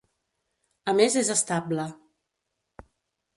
A més és estable.